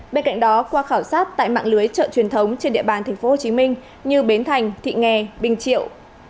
bên cạnh đó qua khảo sát tại mạng lưới chợ truyền thống trên địa bàn tp hcm như bến thành thị nghè bình triệu